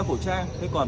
là rất là quan trọng